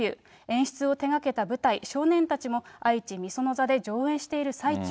演出を手がけた舞台、少年たちも、愛知・御園座で上演している最中。